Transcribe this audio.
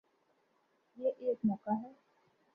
یہ ایک موقع ہے۔